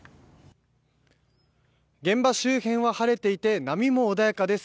現場周辺は晴れていて波も穏やかです。